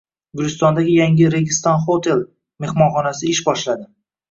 Gulistonda yangi \Registon Hotel\" mehmonxonasi ish boshlading"